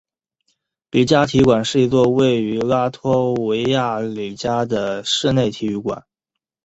里加体育馆是一座位于拉脱维亚里加的室内体育馆。